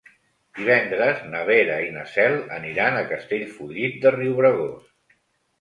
Divendres na Vera i na Cel aniran a Castellfollit de Riubregós.